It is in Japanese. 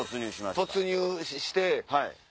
突入して。